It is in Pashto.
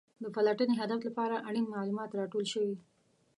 د پلټنې هدف لپاره اړین معلومات راټول شوي.